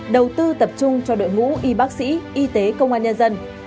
đầu tư tập trung cho đội ngũ y bác sĩ y tế công an nhân dân